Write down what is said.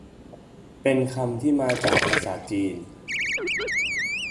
เป็นคำที่มาจากภาษาจีน